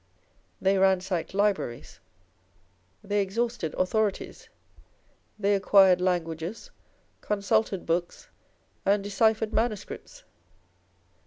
They ransacked libraries, they exhausted authorities. They acquired languages, consulted books, and decyphered manuscripts.